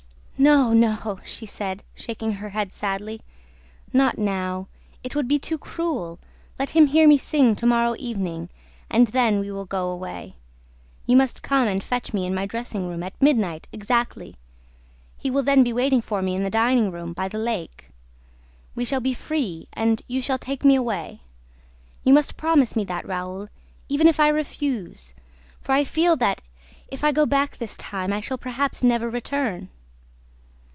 "No, no," she said, shaking her head sadly. "Not now! ... It would be too cruel ... let him hear me sing to morrow evening ... and then we will go away. You must come and fetch me in my dressing room at midnight exactly. He will then be waiting for me in the dining room by the lake ... we shall be free and you shall take me away ... You must promise me that, Raoul, even if I refuse; for I feel that, if I go back this time, I shall perhaps never return."